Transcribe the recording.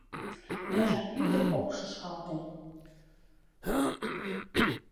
Яжар ӱдыр ок шӱшкалте.